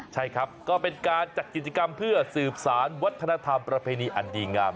ใช่ครับก็เป็นการจัดกิจกรรมเพื่อสืบสารวัฒนธรรมประเพณีอันดีงาม